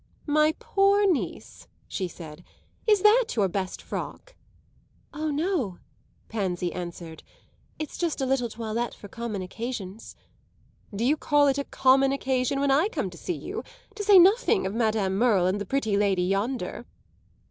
"My poor niece," she said, "is that your best frock?" "Ah no," Pansy answered, "it's just a little toilette for common occasions." "Do you call it a common occasion when I come to see you? to say nothing of Madame Merle and the pretty lady yonder."